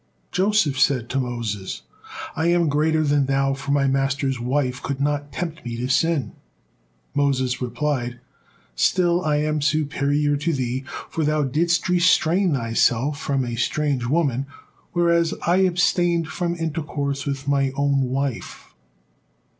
Joseph said to Moses, "I am greater than thou, for my master's wife could not tempt me to sin." Moses replied: "Still am I superior to thee, for thou didst restrain thyself from a strange woman, whereas I abstained from intercourse with my own wife."